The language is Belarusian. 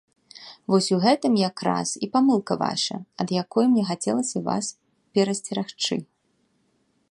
Вось у гэтым якраз і памылка ваша, ад якой мне хацелася вас перасцерагчы.